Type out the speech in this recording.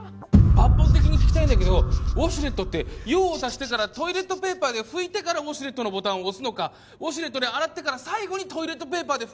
抜本的に聞きたいんだけどウォシュレットって用を足してからトイレットペーパーで拭いてからウォシュレットのボタンを押すのかウォシュレットで洗ってから最後にトイレットペーパーで拭くのか。